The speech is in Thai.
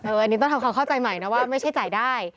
อันนี้ต้องทำความเข้าใจใหม่นะว่าไม่ใช่จ่ายได้